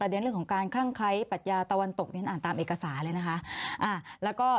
หรือเป็นเรื่องของการคั่งไค้ปัชญาตะวันตกอ่านตามเอกษาเลยนะคะ